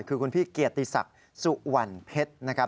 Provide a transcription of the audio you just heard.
คือคุณพี่เกียรติศักดิ์สุวรรณเพชรนะครับ